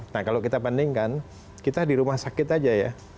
nah kalau kita bandingkan kita di rumah sakit aja ya